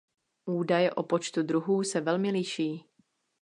Údaje o počtu druhů se velmi liší.